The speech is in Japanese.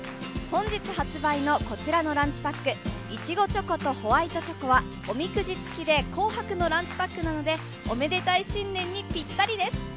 本日発売のこちらのランチパック、いちごチョコとホワイトチョコはおみくじつきで紅白のランチパックなのでおめでたい新年にぴったりです。